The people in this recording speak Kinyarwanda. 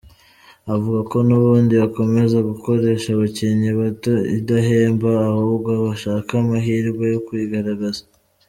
Avuga ko n’ubundi yakomeza gukoresha abakinnyi bato idahemba ahubwo bashaka amahirwe yo kwigaragaza.